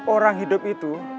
orang hidup itu